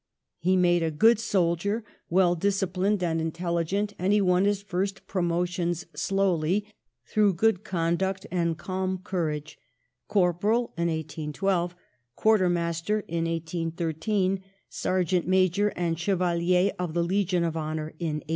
He made a good soldier, well disciplined and intelHgent, and he won his first promotions slowly, through good conduct and calm courage: corporal in 1812, quartermaster in 1813, sergeant major and Chevalier of the Legion of Honour in 1814.